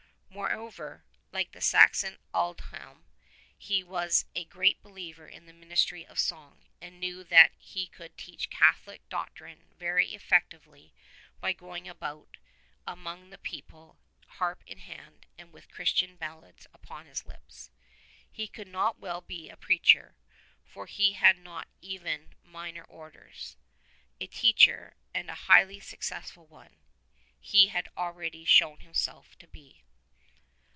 Moreover, like the Saxon Aldhelm, he was a great believer in the ministry of song, and knew that he could teach Catholic doctrine very effectively by going about among the people harp in hand and with Christian ballads upon his lips. He could not well be a preacher, for he had not even minor orders; a teacher, and a highly suc cessful one, he had already shown himself to be.